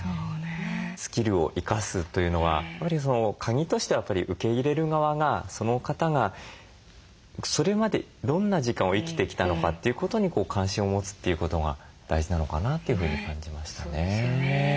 スキルを生かすというのはやはりカギとしてはやっぱり受け入れる側がその方がそれまでどんな時間を生きてきたのかということに関心を持つということが大事なのかなというふうに感じましたね。